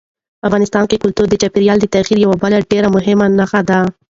افغانستان کې کلتور د چاپېریال د تغیر یوه بله ډېره مهمه نښه ده.